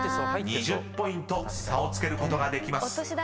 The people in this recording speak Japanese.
２０ポイント差をつけることができます］